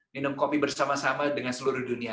minum kopi bersama sama dengan seluruh dunia